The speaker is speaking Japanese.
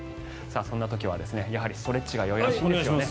そんな時はやはりストレッチがよろしいですよね。